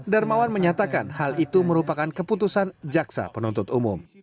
darmawan menyatakan hal itu merupakan keputusan jaksa penuntut umum